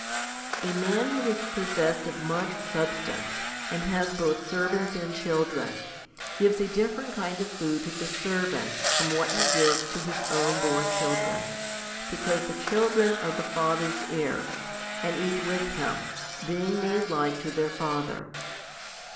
A man who is possessed of much substance, and has both servants and children, gives a different kind of food to the servants from what he gives to his own born children, because the children are their father's heirs, and eat with him, being made like to their father.